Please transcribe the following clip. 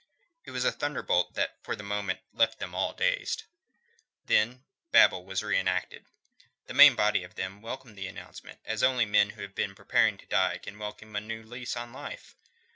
It was a thunderbolt that for a moment left them all dazed. Then Babel was reenacted. The main body of them welcomed the announcement as only men who have been preparing to die can welcome a new lease of life.